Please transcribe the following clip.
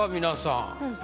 皆さん。